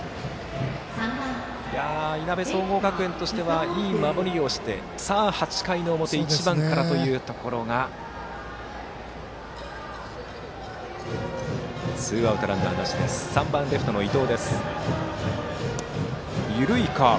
いなべ総合学園としてはいい守りをしてさあ８回の表１番からというところがツーアウトランナーなしとなってバッターは３番レフト、伊藤。